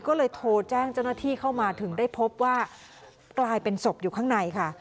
ก็เลยโทรแจ้งเจ้าหน้าที่เข้ามาถึงได้พบว่ากลายเป็นศพอยู่ข้างในค่ะ